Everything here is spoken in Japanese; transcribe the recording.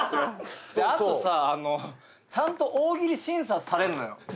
あとさちゃんと大喜利審査されるのよ